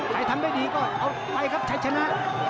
ทำได้ดีก็เอาไปครับชัยชนะ